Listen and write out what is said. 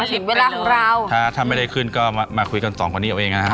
ถึงเวลาของเราถ้าถ้าไม่ได้ขึ้นก็มาคุยกันสองคนนี้เอาเองนะฮะ